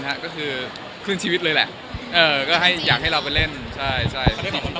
จริงว่าถึงครั้งนี้ไม่ได้โชคกล้องได้